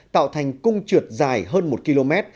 tạo thành cung trượt dài hơn một km